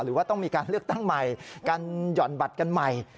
หรือว่าต้องมีการเลือกตั้งใหม่การหย่อนบัตรกันใหม่